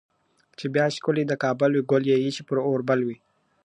چي بیا ښکلي د کابل وي ګل یې ایښی پر اوربل وي ..